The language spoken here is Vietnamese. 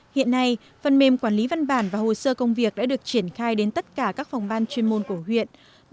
hiện nay phần mềm quản lý văn bản và hồ sơ công việc đã được triển khai đến tất cả các phòng ban chuyên môn của huyện